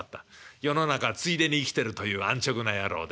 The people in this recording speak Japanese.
世の中ついでに生きてるという安直な野郎で。